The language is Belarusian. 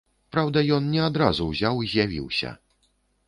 Праўда, ён не адразу ўзяў і з'явіўся.